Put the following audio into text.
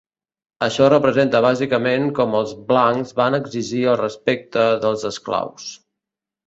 Això representa bàsicament com els blancs van exigir el respecte dels esclaus.